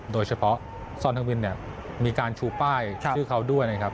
โดยเฉพาะซอนทางวินเนี่ยมีการชูป้ายชื่อเขาด้วยนะครับ